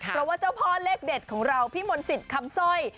เพราะว่าเจ้าพ่อเลขเด็ดของเราพี่มนต์สิทธิ์คำสร้อย